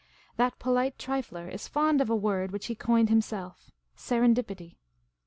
That polite trifler is fond of a word which he coitvd himself —'' serendipity.